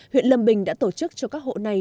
huyện lâm bình đã tổ chức cho các hộ này